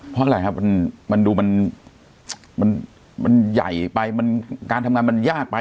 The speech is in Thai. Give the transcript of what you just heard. เพราะอะไรครับมันดูมันใหญ่ไปมันการทำงานมันยากไป